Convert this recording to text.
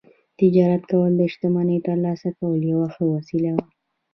تجارت کول د شتمنۍ ترلاسه کولو یوه ښه وسیله وه